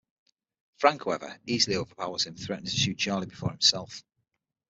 Frank, however, easily overpowers him, threatening to shoot Charlie before himself.